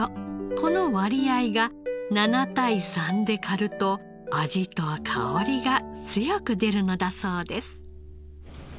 この割合が７対３で刈ると味と香りが強く出るのだそうです。